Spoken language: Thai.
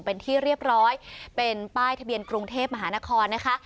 เป็นที่เรียบร้อยเป็นป้ายทะเบียนกรุงเทพมหานครนะคะ